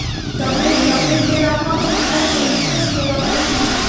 তবে যে-রকম শিক্ষা চলেছে, সে-রকম নয়।